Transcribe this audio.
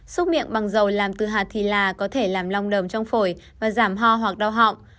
xúc miệng bằng dầu làm từ hạt thì là có thể làm long trong phổi và giảm ho hoặc đau họng